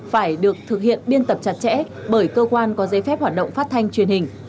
phải được thực hiện biên tập chặt chẽ bởi cơ quan có giấy phép hoạt động phát thanh truyền hình